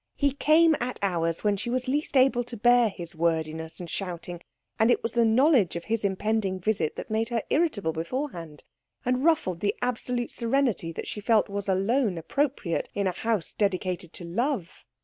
He came at hours when she was least able to bear his wordiness and shouting, and it was the knowledge of his impending visit that made her irritable beforehand and ruffled the absolute serenity that she felt was alone appropriate in a house dedicated to love.